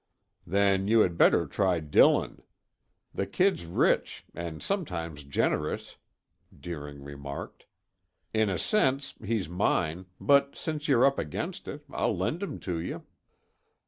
"Then, you had better try Dillon. The kid's rich and sometimes generous," Deering remarked. "In a sense, he's mine, but since you're up against it, I'll lend him to you."